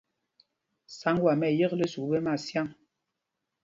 Saŋg mwân am ɛ yekle sukûl ɓɛ Masyâŋ.